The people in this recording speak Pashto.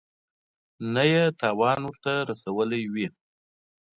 نه یې تاوان ورته رسولی وي.